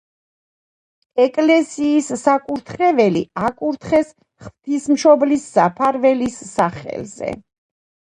ეკლესიის საკურთხეველი აკურთხეს ღვთისმშობლის საფარველის სახელზე.